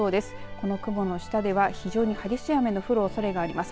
この雲の下では非常に激しい雨の降るおそれがあります。